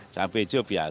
cabai hijau biasa